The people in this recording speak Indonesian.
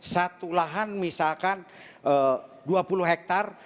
satu lahan misalkan dua puluh hektare